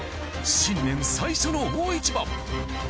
新年最初の大一番。